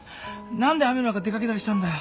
何で雨の中出掛けたりしたんだよ。